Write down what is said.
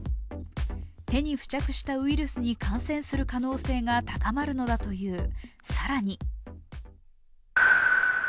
手に付着したウイルスに感染する可能性が高まるのだという。